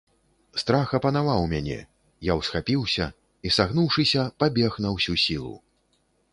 Страх апанаваў мяне, я ўсхапіўся і, сагнуўшыся, пабег на ўсю сілу.